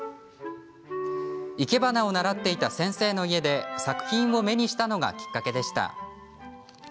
生け花を習っていた先生の家で作品を目にしたのがきっかけでした。